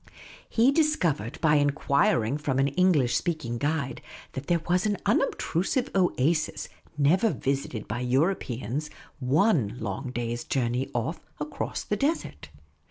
He dis covered by enquiring from an English vSpeaking guide that there was an unobtrusive oasis, never visited by Europeans, one long day's journey off", across the desert.